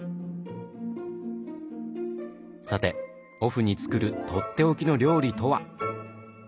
さてオフに作るとっておきの料理とは？